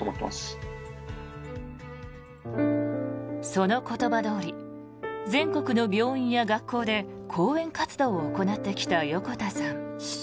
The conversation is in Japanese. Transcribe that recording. その言葉どおり全国の病院や学校で講演活動を行ってきた横田さん。